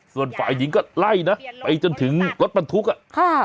ส่วนฝ่ายหญิงก็ไล่นะไปจนถึงรถบรรทุกอ่ะค่ะ